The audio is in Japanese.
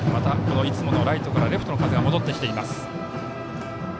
いつものライトからレフトの風が戻ってきています。